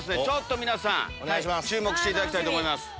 皆さん注目していただきたいと思います。